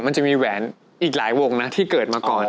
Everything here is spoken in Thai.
มันจะมีแหวนอีกหลายวงนะที่เกิดมาก่อน